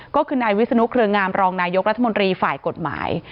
ก็คือนายวิศนุเครืองามรองนายกรัฐมนตรีฝ่ายกฎหมาย